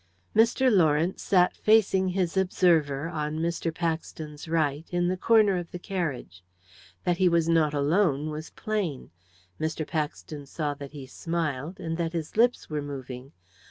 Mr. Lawrence sat facing his observer, on Mr. Paxton's right, in the corner of the carriage. That he was not alone was plain. Mr. Paxton saw that he smiled, and that his lips were moving.